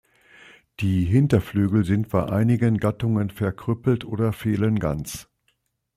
Die Hinterflügel sind bei einigen Gattungen verkrüppelt oder fehlen ganz.